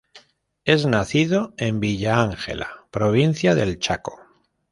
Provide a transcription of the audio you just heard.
Es nacido en Villa Ángela; Provincia del Chaco.